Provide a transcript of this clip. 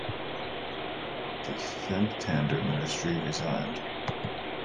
The Themptander ministry resigned.